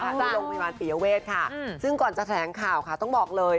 ที่โรงพยาบาลปียเวทค่ะซึ่งก่อนจะแถลงข่าวค่ะต้องบอกเลย